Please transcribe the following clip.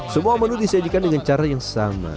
semua menu disajikan dengan cara yang sama